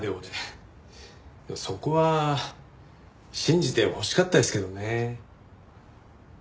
でもそこは信じてほしかったですけどね。